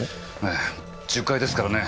ええ１０階ですからね。